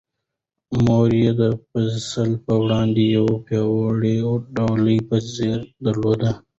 مور یې د فیصل په وړاندې د یوې پیاوړې ډال په څېر ودرېده.